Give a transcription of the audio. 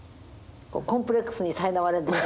コンプレックスにさいなまれている。